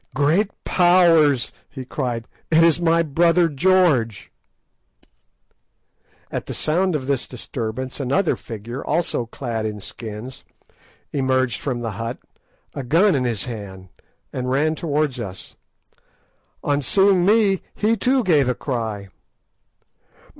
"Great Powers!" he cried, "it is my brother George!" At the sound of this disturbance, another figure, also clad in skins, emerged from the hut, a gun in his hand, and ran towards us. On seeing me he too gave a cry.